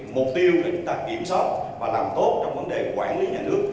mục tiêu để chúng ta kiểm soát và làm tốt trong vấn đề quản lý nhà nước